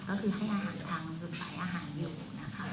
ก็คือให้อาหารทางหลุดไหลอาหารอยู่นะครับ